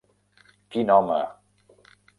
Quin home!